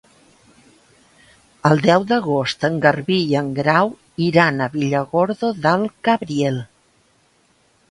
El deu d'agost en Garbí i en Grau iran a Villargordo del Cabriel.